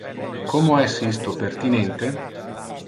Como es isto pertinente?